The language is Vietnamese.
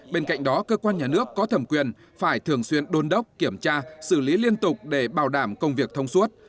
bên cạnh đó cơ quan nhà nước có thẩm quyền phải thường xuyên đôn đốc kiểm tra xử lý liên tục để bảo đảm công việc thông suốt